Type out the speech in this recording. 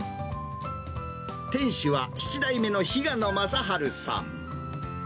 店主は７代目の日向野政治さん。